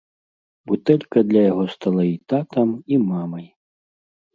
Бутэлька для яго стала і татам, і мамай.